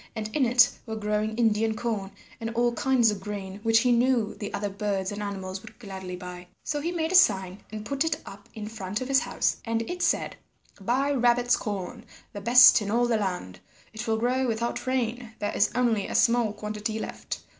And in it were growing Indian corn and all kinds of grain which he knew the other birds and animals would gladly buy. So he made a sign and put it up in front of his house, and it said, "Buy Rabbit's corn, the best in all the land; it will grow without rain; there is only a small quantity left.